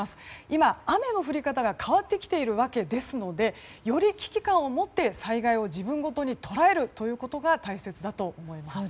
今、雨の降り方が変わってきているわけですのでより危機感を持って、災害を自分ごとに捉えるということが大切だと思います。